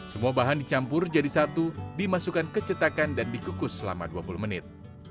semua bahan dicampur jadi satu dimasukkan ke cetakan dan dikukus selama dua puluh menit